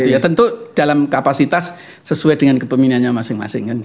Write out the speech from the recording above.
ya tentu dalam kapasitas sesuai dengan kepemimpinannya masing masing kan